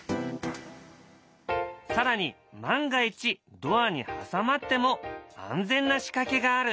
更に万が一ドアに挟まっても安全な仕掛けがある。